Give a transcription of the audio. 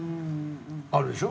あるでしょ？